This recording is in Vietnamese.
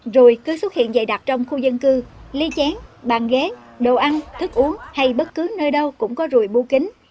rùi cứ xuất hiện dày đặc trong khu dân cư ly chén bàn ghé đồ ăn thức uống hay bất cứ nơi đâu cũng có rùi bu kính